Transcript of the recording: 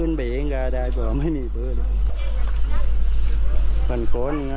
แน่นอนเข้ามือเห็น